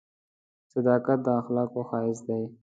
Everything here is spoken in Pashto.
• صداقت د اخلاقو ښایست دی.